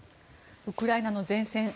ウクライナの善戦